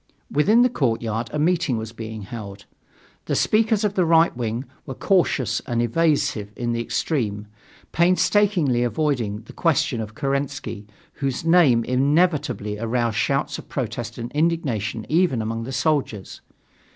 Within the courtyard a meeting was being held. The speakers of the right wing were cautious and evasive in the extreme, painstakingly avoiding the question of Kerensky, whose name inevitably aroused shouts of protest and indignation even among the soldiers.